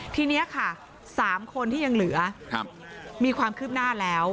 ทีนี้ค่ะ๓คนที่ยังเหลือมีความคืบหน้าแล้ว